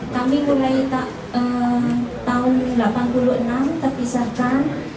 kami mulai tahun seribu sembilan ratus delapan puluh enam terpisahkan